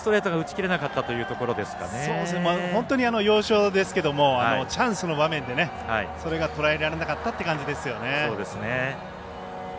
もう１つストレートが本当に要所ですけどチャンスの場面でそれがとらえられなかったっていう感じですよね。